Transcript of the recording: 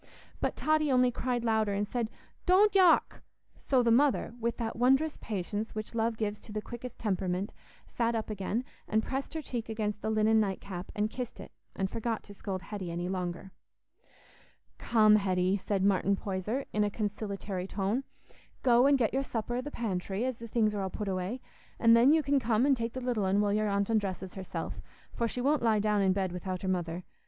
But Totty only cried louder, and said, "Don't yock!" So the mother, with that wondrous patience which love gives to the quickest temperament, sat up again, and pressed her cheek against the linen night cap and kissed it, and forgot to scold Hetty any longer. "Come, Hetty," said Martin Poyser, in a conciliatory tone, "go and get your supper i' the pantry, as the things are all put away; an' then you can come and take the little un while your aunt undresses herself, for she won't lie down in bed without her mother.